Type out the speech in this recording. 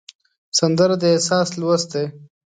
سندره د احساس لوست دی